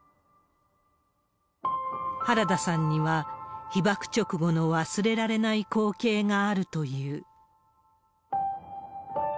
原田さんには、被爆直後の忘れられない光景があるという。